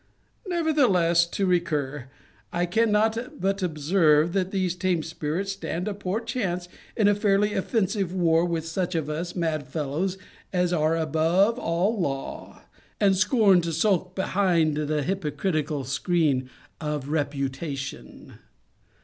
Nevertheless, to recur; I cannot but observe, that these tame spirits stand a poor chance in a fairly offensive war with such of us mad fellows as are above all law, and scorn to sculk behind the hypocritical screen of reputation.